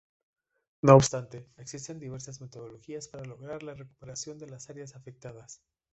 No obstante, existen diversas metodologías para lograr la recuperación de las áreas afectadas.